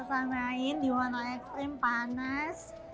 masa main di wano extreme panas